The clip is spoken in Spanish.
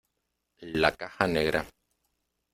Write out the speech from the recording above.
la caja negra.